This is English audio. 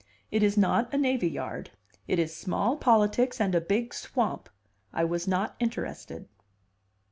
"It is not a navy yard. It is small politics and a big swamp. I was not interested."